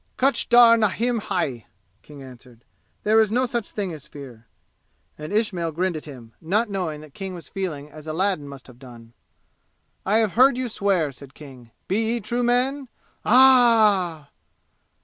"Kutch dar nahin hai!" King answered. "There is no such thing as fear!" and Ismail grinned at him, not knowing that King was feeling as Aladdin must have done. "I have heard you swear," said King; "be ye true men!" "Ah h h!"